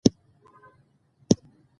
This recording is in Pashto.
څنګه چې ما اووې مستقل سټرېس ،